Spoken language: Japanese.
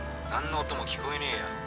何の音も聞こえねえよ